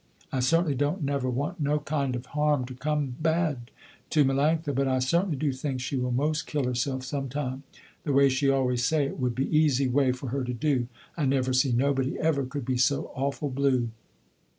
I certainly don't never want no kind of harm to come bad to Melanctha, but I certainly do think she will most kill herself some time, the way she always say it would be easy way for her to do. I never see nobody ever could be so awful blue."